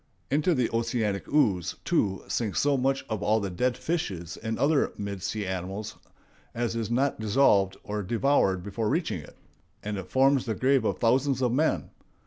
Into the oceanic ooze, too, sinks so much of all dead fishes and other mid sea animals as is not dissolved or devoured before reaching it; and it forms the grave of thousands of men.